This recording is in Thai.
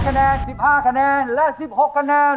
คะแนน๑๕คะแนนและ๑๖คะแนน